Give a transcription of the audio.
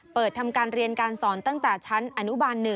เปิดทำการเรียนการสอนตั้งแต่ชั้นอนุบาล๑